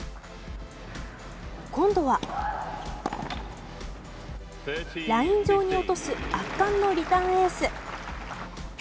今度は、ライン上に落とす圧巻のリターンエース。